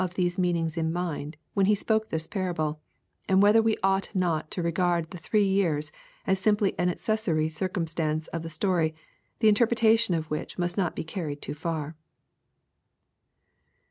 these meanings in His mind, when He spoke this parable, and whether we ought not to regard the " three years" as simply an accessory circumstance of the story, the interpretation of which must not be carried too far.